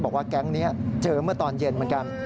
บอกว่าแก๊งนี้เจอเมื่อตอนเย็นเหมือนกัน